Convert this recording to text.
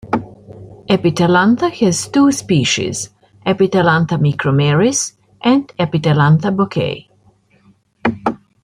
"Epithelantha" has two species, "Epithelantha micromeris" and "Epithelantha bokei".